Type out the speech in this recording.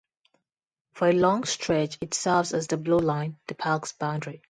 For a long stretch it serves as the Blue Line, the park's boundary.